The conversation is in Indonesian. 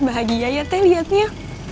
bahagia ya teh liatnya